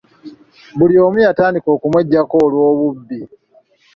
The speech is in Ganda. Buli omu yatandika okumweggyako olw'obubbi.